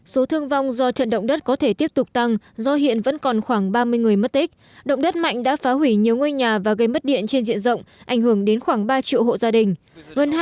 số thương vong do trận động đất có thể tiếp tục tăng do hiện vẫn còn khoảng ba mươi người mất tích động đất mạnh đã phá hủy nhiều ngôi nhà và gây mất điện trên diện rộng ảnh hưởng đến khoảng ba triệu hộ gia đình